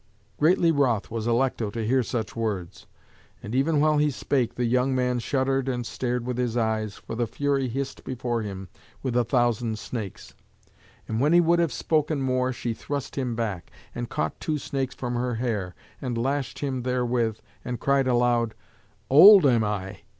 Greatly wroth was Alecto to hear such words. And even while he spake the young man shuddered and stared with his eyes, for the Fury hissed before him with a thousand snakes. And when he would have spoken more, she thrust him back, and caught two snakes from her hair, and lashed him therewith, and cried aloud, "Old am I!